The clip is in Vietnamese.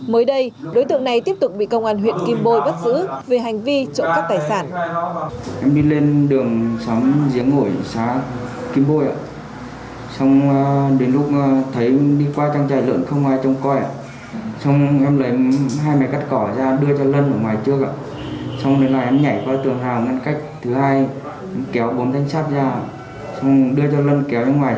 mới đây đối tượng này tiếp tục bị công an huyện kim bôi bắt giữ về hành vi trộm cắp tài sản